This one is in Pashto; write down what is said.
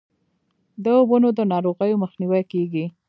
د ونو د ناروغیو مخنیوی کیږي.